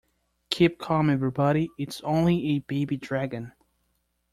Keep calm everybody, it's only a baby dragon.